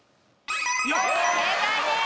正解です。